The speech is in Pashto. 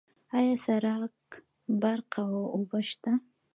آیا سرک، برق او اوبه شته؟